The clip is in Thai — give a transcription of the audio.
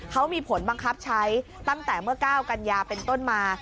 เขามีผลบังคับใช้ตั้งแต่เมื่อ๙กันยาเป็นต้นมา